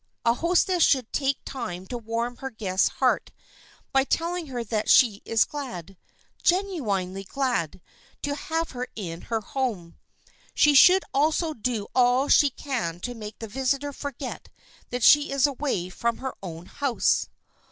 A hostess should take time to warm her guest's heart by telling her that she is glad, genuinely glad, to have her in her home. She should also do all she can to make the visitor forget that she is away from her own house.